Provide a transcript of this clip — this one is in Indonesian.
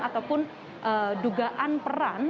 ataupun dugaan peran